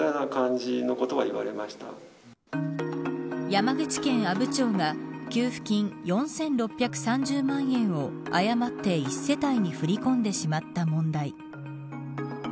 山口県阿武町が給付金４６３０万円を誤って１世帯に振り込んでしまった問題。